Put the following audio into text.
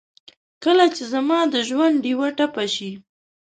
کله چې زما دژوندډېوه ټپه شي